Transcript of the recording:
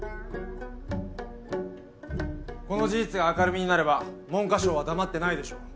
この事実が明るみになれば文科省は黙ってないでしょう。